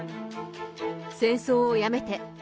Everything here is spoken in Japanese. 戦争をやめて。